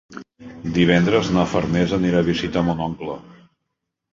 Divendres na Farners anirà a visitar mon oncle.